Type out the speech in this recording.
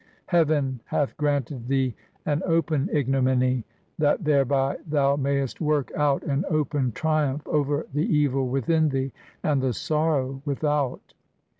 ... Heaven hath granted thee an open ig nominy, that thereby thou mayest work out an open triumph over the evil within thee, and the sorrow with out.